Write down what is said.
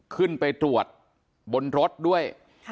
ขึ้นไปตรวจบนรถด้วย